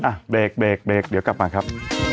อ่ะเบรกเบรกเดี๋ยวกลับมาครับ